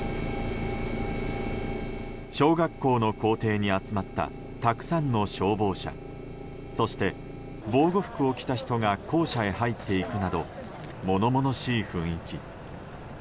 小学校の校庭に集まったたくさんの消防車そして防護服を着た人が校舎へ入っていくなど物々しい雰囲気。